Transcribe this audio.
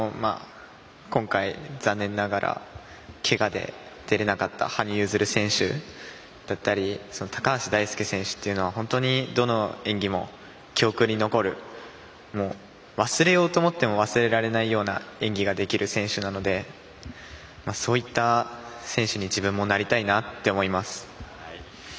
今回、残念ながらけがで出れなかった羽生結弦選手だったり高橋大輔選手っていうのは本当にどの演技も記憶に残る忘れようと思っても忘れられない演技ができる選手なのでそういった選手に自分もなりたいなって思います。